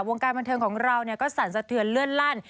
วงการบรรเทิงของเราเนี่ยก็สั่นเสือเลื่อนลัน